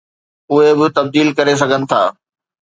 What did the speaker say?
اهي به تبديل ڪري سگهن ٿا.